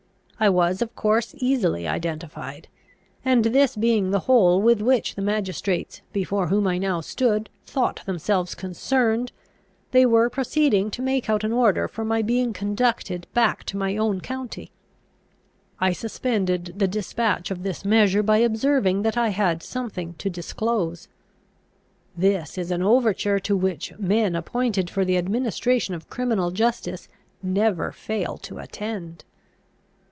I was of course easily identified; and, this being the whole with which the magistrates before whom I now stood thought themselves concerned, they were proceeding to make out an order for my being conducted back to my own county. I suspended the despatch of this measure by observing that I had something to disclose. This is an overture to which men appointed for the administration of criminal justice never fail to attend.